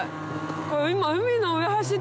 これ今。